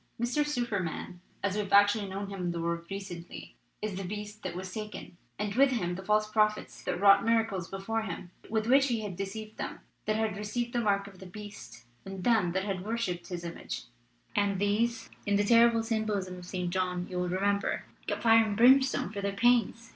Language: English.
Mr. Superman as we've actually known him in the world recently is the Beast that was taken, and with him the false prophets that wrought miracles before him, with which he had deceived them that had received the mark of the Beast and them that had worshiped his image. 295 LITERATURE IN THE MAKING And these, in the terrible symbolism of St. John, you will remember, got fire and brimstone for their pains!